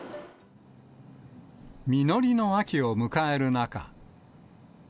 実りの秋を迎える中。